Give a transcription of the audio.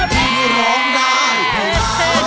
ร้องได้ให้ร้าน